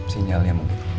sinyal ya mungkin